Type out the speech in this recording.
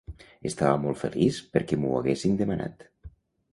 Estava molt feliç perquè m'ho haguessin demanat.